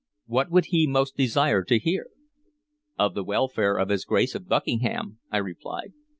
What would he most desire to hear?" "Of the welfare of his Grace of Buckingham," I replied.